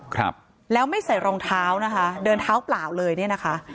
ครับแล้วไม่ใส่รองเท้านะคะเดินเท้าเปล่าเลยเนี้ยนะคะ